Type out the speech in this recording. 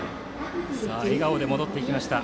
笑顔で戻っていきました。